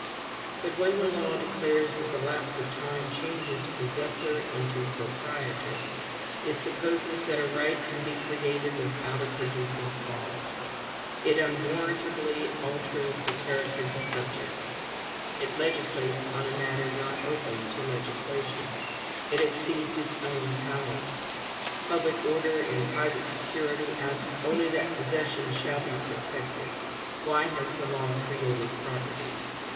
But when the law declares that the lapse of time changes possessor into proprietor, it supposes that a right can be created without a producing cause; it unwarrantably alters the character of the subject; it legislates on a matter not open to legislation; it exceeds its own powers. Public order and private security ask only that possession shall be protected. Why has the law created property?